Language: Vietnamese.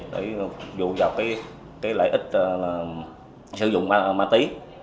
để dụ vào cái lợi ích sử dụng ma tí